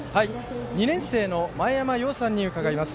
２年生のまえやまさんに伺います。